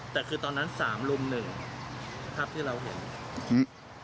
แต่คือตอนนั้น๓รุ่มหนึ่งครับที่เราเห็น